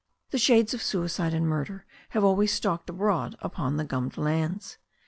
The shades of suicide and murder have always stalked abroad upon the gum lands.